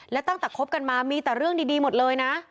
และตั้งแต่คบกันมามีแต่เรื่องดีหมดเลยนะ